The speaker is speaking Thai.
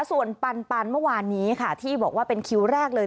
ส่วนปันเมื่อวานนี้ค่ะที่บอกว่าเป็นคิวแรกเลย